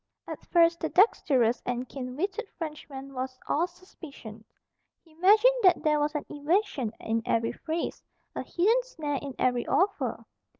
At first the dexterous and keen witted Frenchman was all suspicion. He imagined that there was an evasion in every phrase, a hidden snare in every offer.